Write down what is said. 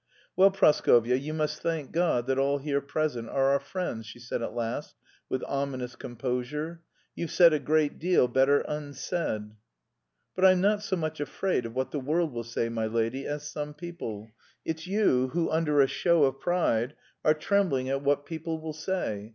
"Well, Praskovya, you must thank God that all here present are our friends," she said at last with ominous composure. "You've said a great deal better unsaid." "But I'm not so much afraid of what the world will say, my lady, as some people. It's you who, under a show of pride, are trembling at what people will say.